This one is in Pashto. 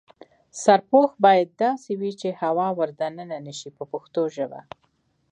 سرپوښ باید داسې وي چې هوا ور دننه نشي په پښتو ژبه.